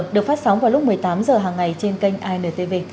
được phát sóng vào lúc một mươi tám h hàng ngày trên kênh intv